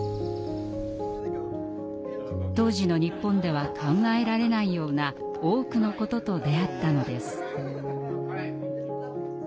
当時の日本では考えられないような多くのことと出会ったのです。